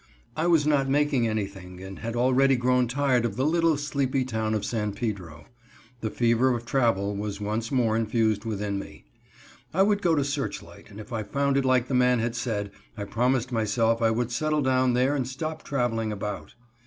I was not making anything and had already grown tired of the little, sleepy town of San Pedro. The fever of travel was once more infused within me. I would go to Searchlight, and if I found it like the man had said, I promised myself I would settle down there and stop traveling about.